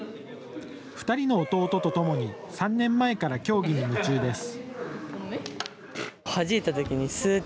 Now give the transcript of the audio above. ２人の弟とともに３年前から競技に夢中です。